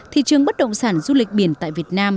thị trường bất động sản du lịch biển tại việt nam